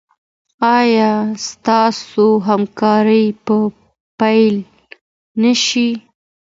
ایا ستاسو همکاري به پیل نه شي؟